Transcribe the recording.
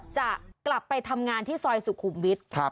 จะกลับไปทำงานที่ซอยสุขุมวิทย์